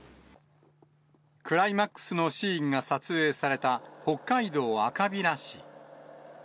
クライマックスのシーンが撮影された、北海道赤平市。